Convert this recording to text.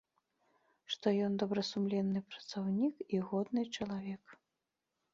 Што ён добрасумленны працаўнік і годны чалавек.